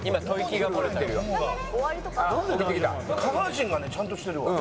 下半身がねちゃんとしてるわ。